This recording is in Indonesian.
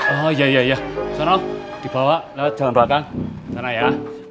oh ya ya ya sana dibawa lewat jalan belakang sana ya